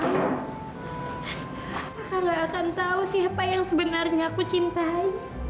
raka nggak akan tahu siapa yang sebenarnya aku cintai